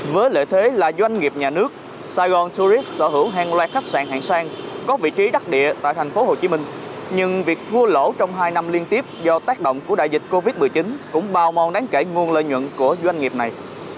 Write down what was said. với lợi thế là doanh nghiệp nhà nước sài gòn tourist sở hữu hàng loạt khách sạn hạng sang có vị trí đắc địa tại tp hcm nhưng việc thua lỗ trong hai năm liên tiếp do tác động của đại dịch covid một mươi chín cũng bao mòn đáng kể nguồn lợi nhuận của doanh nghiệp này